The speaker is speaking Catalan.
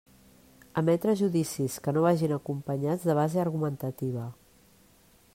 Emetre judicis que no vagin acompanyats de base argumentativa.